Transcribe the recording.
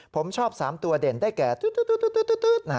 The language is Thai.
ผมชอบ๓ตัวเด่นได้แก่ตึ๊ด